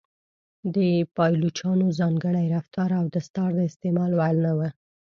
د پایلوچانو ځانګړی رفتار او دستار د استعمال وړ نه و.